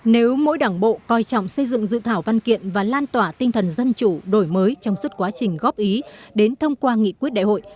nếu mỗi đảng bộ coi trọng xây dựng dự thảo văn kiện và lan tỏa tinh thần dân chủ đổi mới trong suốt quá trình góp ý đến thông qua nghị quyết đại hội